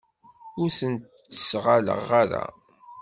Ur sen-ttesɣaleɣ ara.